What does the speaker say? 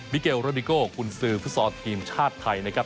มิเกลรอดิโกคุณซือฟุตซอร์ทีมชาติไทยนะครับ